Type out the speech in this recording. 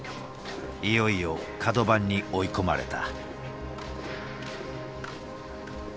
いよいよ角番に追い込まれた。